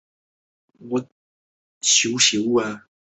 祖父杨德贵。